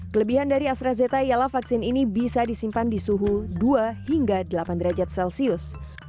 kelebihan dari astrazeneca ialah vaksin ini bisa disimpan di suhu dua hingga delapan derajat celcius